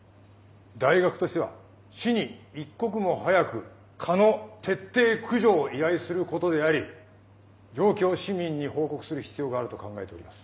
大学としては市に一刻も早く蚊の徹底駆除を依頼することであり状況を市民に報告する必要があると考えております。